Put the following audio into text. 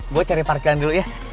gue cari parkiran dulu ya